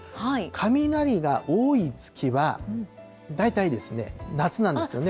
雷が多い月は、大体夏なんですよね。